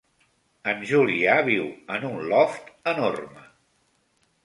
En Julià viu en un loft enorme.